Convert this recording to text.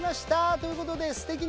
ということですてきな。